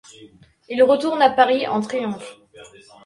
Il retourne à Paris en triomphe.